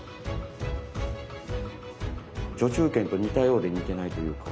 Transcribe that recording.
序中剣と似たようで似てないというか。